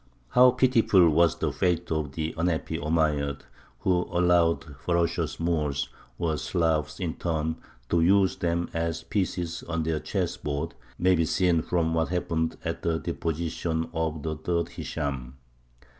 How pitiful was the fate of the unhappy Omeyyads, who allowed the ferocious Moors, or Slavs, in turn, to use them as pieces on their chess board, may be seen from what happened at the deposition of the third Hishām.